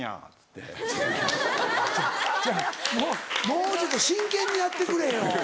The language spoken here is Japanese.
もうちょっと真剣にやってくれよ